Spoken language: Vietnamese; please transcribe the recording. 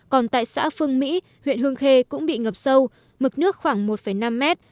còn tại xã phương mỹ huyện hương khê cũng bị ngập sâu mực nước khoảng một năm mét